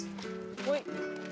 はい。